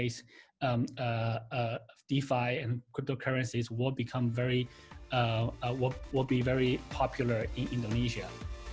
untuk defi dan cryptocurrency menjadi sangat populer di indonesia